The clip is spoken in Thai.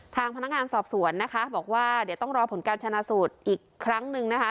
ทางพนักงานสอบสวนนะคะบอกว่าเดี๋ยวต้องรอผลการชนะสูตรอีกครั้งหนึ่งนะคะ